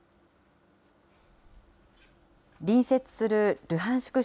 隣接するルハンシク